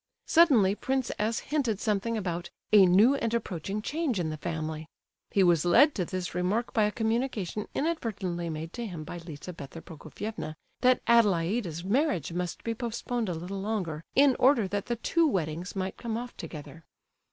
Suddenly Prince S. hinted something about "a new and approaching change in the family." He was led to this remark by a communication inadvertently made to him by Lizabetha Prokofievna, that Adelaida's marriage must be postponed a little longer, in order that the two weddings might come off together.